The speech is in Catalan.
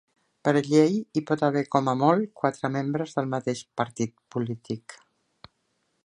Per llei, hi pot haver com a molt quatre membres del mateix partit polític.